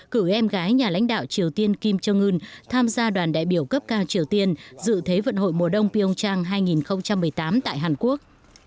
cử em gái nhà lãnh đạo triều tiên kim jong un tham gia đoàn đại biểu cấp cao triều tiên dự thế vận hội mùa đông pion trang hai nghìn một mươi tám tại hàn quốc